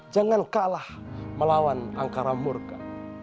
jangan kalah melawan angkara murka